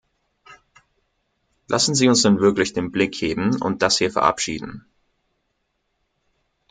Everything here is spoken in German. Lassen Sie uns nun wirklich den Blick heben und das hier verabschieden.